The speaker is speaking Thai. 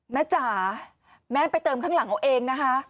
จ๋าแม่ไปเติมข้างหลังเอาเองนะคะ